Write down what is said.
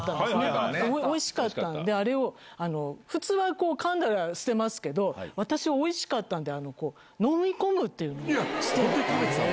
すごいおいしかったんで、あれを普通はこう、かんだら捨てますけど、私は、おいしかったんで、飲み込むっていうのをしてて。